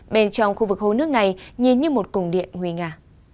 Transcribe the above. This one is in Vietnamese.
bên trong khu vực hồ nước này nhìn như một cổng điện huế nga